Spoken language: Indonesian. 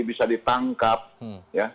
bisa ditangkap ya